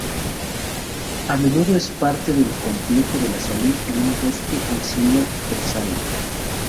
A menudo es parte del complejo de salud en un bosque de encino-brezal.